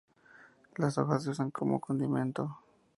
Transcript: Las hojas se usan como condimento.